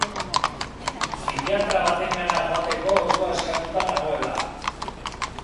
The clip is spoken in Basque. Psikiatra batengana joateko ordua eskatuta nagoela.